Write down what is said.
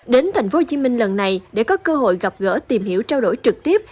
đến thành phố hồ chí minh lần này để có cơ hội gặp gỡ tìm hiểu trao đổi trực tiếp